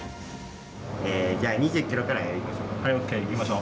じゃあ２０キロからやりましょう。